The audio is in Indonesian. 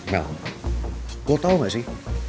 nel lo tau gak sih